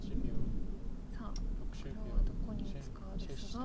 さあ黒はどこに打つかですが。